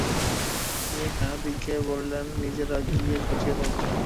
তিনি তাহাদিগকে বলিলেন, নিজেরা গিয়া খুঁজিয়া দেখ।